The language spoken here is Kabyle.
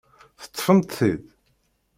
Teṭṭfemt-t-id?